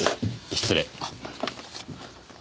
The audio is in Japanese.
失礼。